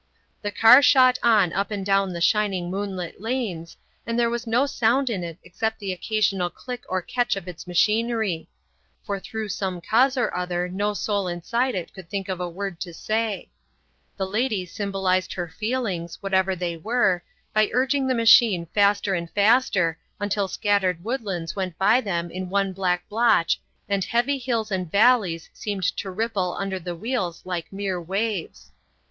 The car shot on up and down the shining moonlit lanes, and there was no sound in it except the occasional click or catch of its machinery; for through some cause or other no soul inside it could think of a word to say. The lady symbolized her feelings, whatever they were, by urging the machine faster and faster until scattered woodlands went by them in one black blotch and heavy hills and valleys seemed to ripple under the wheels like mere waves.